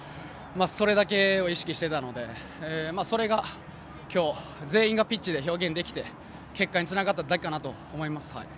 それだけを意識していたのでそれが今日全員がピッチで表現できて結果につながっただけだと思います。